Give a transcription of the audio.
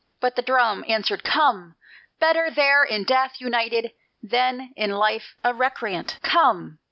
But the drum Answered: "Come! Better there in death united than in life a recreant, Come!"